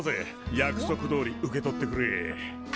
約束どおり受け取ってくれ。